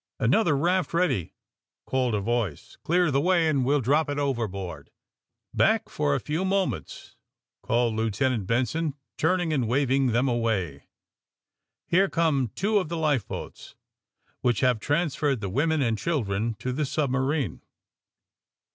*' Another raft ready !'' called a voice. '' Clear the way and we'll drop it overboard." ^^Back for a few moments," called Lieutenant Bens on,, turning and waving them away. ^^Here come two of the life boats, which have trans ferred the women and children to the submarine.